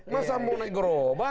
masa mau naik gerobak